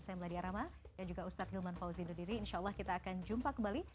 saya mbak diyarama dan juga ustaz hilman fauzi daudiri insya allah kita akan jumpa kembali